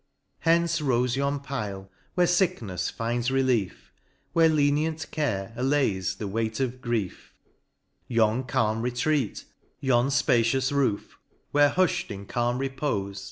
Hence rofe yon pile, where licknefs finds relief, Where lenient care allays the weight of grief ;*— Yon fpacious roof, where hufh'd in calm repofe.